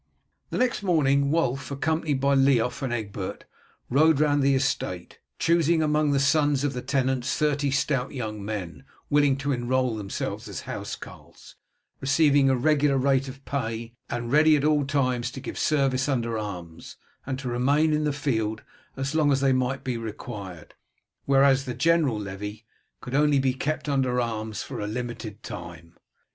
The next morning Wulf, accompanied by Leof and Egbert, rode round the estate, choosing among the sons of the tenants thirty stout young men willing to enrol themselves as house carls, receiving a regular rate of pay, and ready at all times to give service under arms, and to remain in the field as long as they might be required, whereas the general levy could only be kept under arms for a limited time.